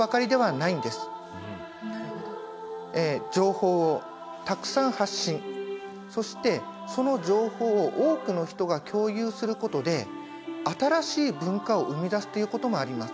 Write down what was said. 情報をたくさん発信そしてその情報を多くの人が共有することで新しい文化を生み出すということもあります。